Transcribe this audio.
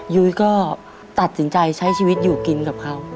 ยุ้ยก็ตัดสินใจใช้ชีวิตอยู่กินกับเขา